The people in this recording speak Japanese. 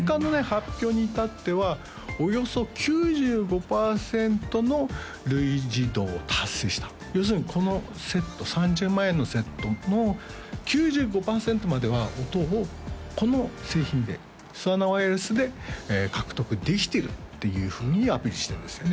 発表にいたってはおよそ９５パーセントの類似度を達成した要するにこのセット３０万円のセットの９５パーセントまでは音をこの製品でＳｖａｎａｒｗｉｒｅｌｅｓｓで獲得できてるっていうふうにアピールしてるんですよね